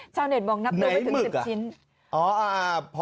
ชาวเนตมองนับตรงไม่ถึงสิบชิ้นไหนหมึกอ่ะ